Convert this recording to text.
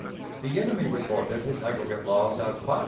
The enemy reported his aggregate loss at 5,739.